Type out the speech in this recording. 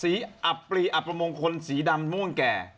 อับปลีอับประมงคลสีดำม่วงแก่